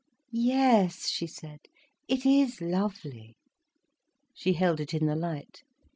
"Yes," she said, "it is lovely." She held it in the light.